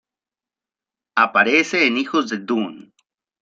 Aparece en Hijos de Dune.